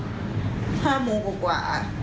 ๕โมงกว่า